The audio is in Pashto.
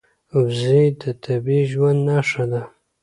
وزې د طبیعي ژوند نښه ده